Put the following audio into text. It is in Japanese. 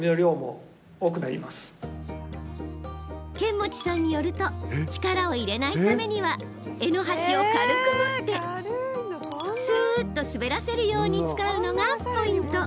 釼持さんによると力を入れないためには柄の端を軽く持ってすっと滑らせるように使うのがポイント。